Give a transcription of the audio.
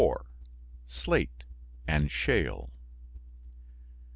SLATE AND SHALE.